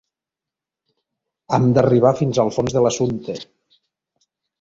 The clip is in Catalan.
Hem d'arribar fins al fons de l'assumpte.